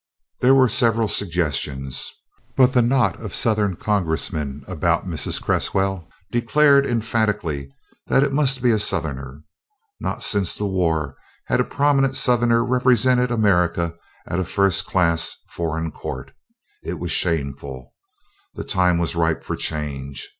There were several suggestions, but the knot of Southern Congressmen about Mrs. Cresswell declared emphatically that it must be a Southerner. Not since the war had a prominent Southerner represented America at a first class foreign court; it was shameful; the time was ripe for change.